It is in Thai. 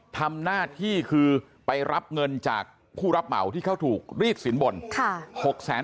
ทำหน้าที่คือไปรับเงินจากผู้รับเหมาที่เขาถูกรีดสินบน